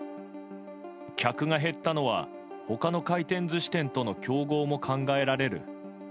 客が減ったのは他の回転寿司店との競合も考えられる。